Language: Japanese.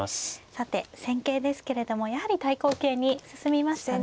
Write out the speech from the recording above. さて戦型ですけれどもやはり対抗型に進みましたね。